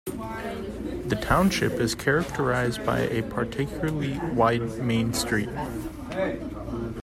The township is characterised by a particularly wide main street.